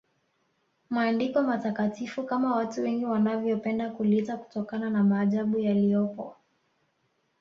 Maandiko Matakatifu kama watu wengi wanavyopenda kuliita kutokana na maajabu yaliyopo